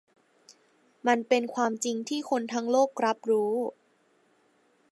มันเป็นความจริงที่คนทั้งโลกรับรู้